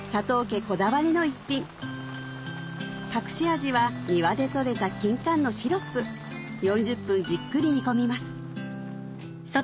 家こだわりの一品隠し味は庭で取れたキンカンのシロップ４０分じっくり煮込みます